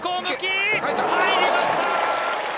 入りました！